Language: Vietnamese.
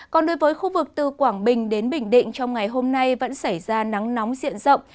còn đối với khu vực từ quảng bình đến bình định trong ngày hôm nay vẫn xảy ra nắng nóng diện rộng